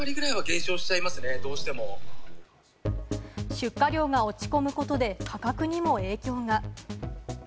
出荷量が落ち込むことで、価格にも影響が。